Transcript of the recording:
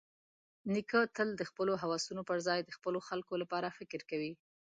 نیکه تل د خپلو هوسونو پرځای د خپلو خلکو لپاره فکر کوي.